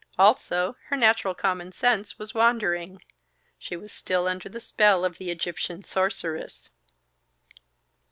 Also, her natural common sense was wandering; she was still under the spell of the Egyptian sorceress.